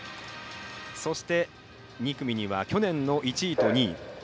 そして、２組には去年の１位と２位。